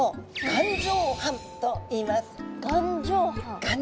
眼状斑！？